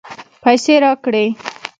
پیسې راکړې.